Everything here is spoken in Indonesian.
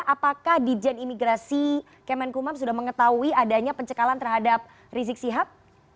apakah dijen imigrasi kemenkumham sudah mengetahui adanya pencekalan terhadap rizik sihab